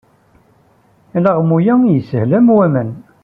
Alaɣmu-a ishel am waman.